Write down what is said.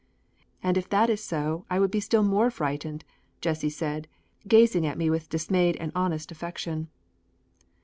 "And if that is so, I would be still more frightened," Jessie said, gazing at me with dismayed and honest affection.